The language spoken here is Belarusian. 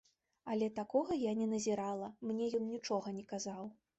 Але такога я не назірала, мне ён нічога не казаў.